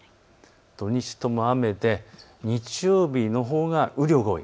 土日とも雨で日曜日のほうが雨量が多い。